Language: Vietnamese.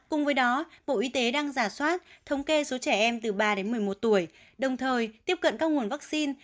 cùng với đó bộ y tế đang giả soát thống kê số trẻ em từ ba đến một mươi một tuổi đồng thời tiếp cận các nguồn vaccine